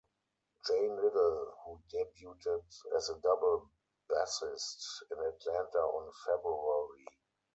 Jane Little, who debuted as a double bassist in Atlanta on February.